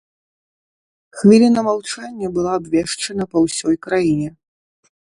Хвіліна маўчання была абвешчана па ўсёй краіне.